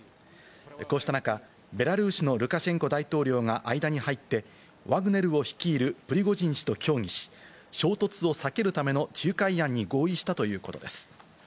こうした中、ベラルーシのルカシェンコ大統領が間に入って、ワグネルを率いるプリゴジン氏と協議し、衝突を避けるための仲介案に合意したということです。